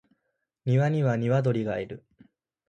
庭には二羽鶏がいる